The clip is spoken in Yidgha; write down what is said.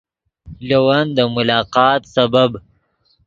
لے ون دے ملاقات سبب